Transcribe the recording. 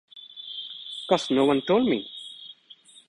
'Cause no one told me!